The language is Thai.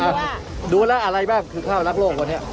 ดูแล้วอะไรบ้างคือข้าวรักโลกวันนี้